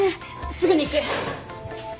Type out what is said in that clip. すぐに行く。